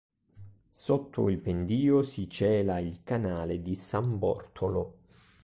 Sotto il pendio si cela il canale di San Bortolo.